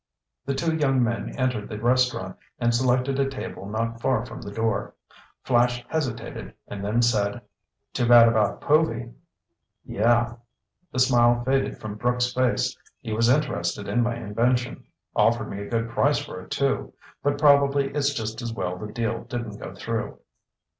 The two young men entered the restaurant and selected a table not far from the door. Flash hesitated, and then said: "Too bad about Povy." "Yeah." The smile faded from Brooks' face. "He was interested in my invention. Offered me a good price for it, too. But probably it's just as well the deal didn't go through."